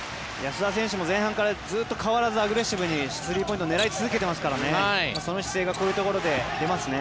須田選手も前半からずっと変わらずアグレッシブにスリーポイントを狙い続けてますからその姿勢がこういうところで出ますね。